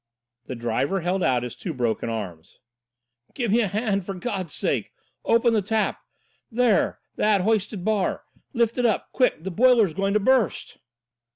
The driver held out his two broken arms. "Give me a hand, for God's sake! Open the tap! There, that hoisted bar. Lift it up. Quick, the boiler is going to burst."